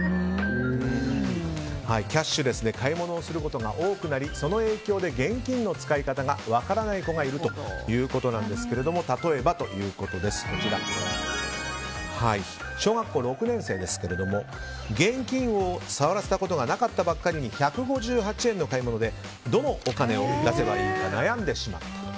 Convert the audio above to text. キャッシュレスで買い物をすることが多くなりその影響で現金の使い方が分からない子がいるということなんですけれども例えば、小学校６年生ですが現金を触らせたことがなかったばっかりに１５８円の買い物でどのお金を出せばいいか悩んでしまったと。